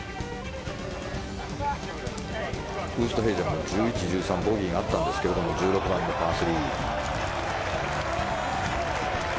ウーストヘイゼンも１１、１３ボギーがあったんですが１６番のパー３。